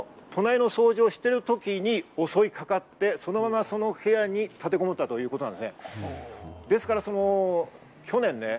その時に襲い掛かって、そのままその部屋に立てこもったということなんですね。